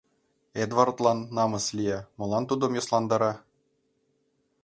Эдвардлан намыс лие: молан тудым йӧсландара?